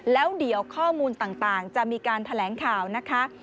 แล้วเดี๋ยวข้อมูลต่างจะมีการแถลงข่าวนะคะ